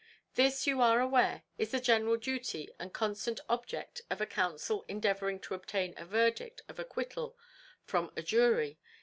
This you are aware is the general duty and constant object of a counsel endeavouring to obtain a verdict of acquittal from a jury.